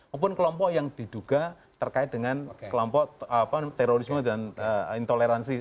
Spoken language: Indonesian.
maupun kelompok yang diduga terkait dengan kelompok terorisme dan intoleransi